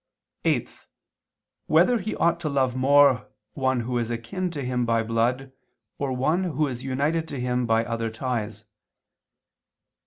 (8) Whether he ought to love more, one who is akin to him by blood, or one who is united to him by other ties?